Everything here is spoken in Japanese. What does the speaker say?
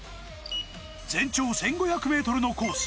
全長１５００ｍのコース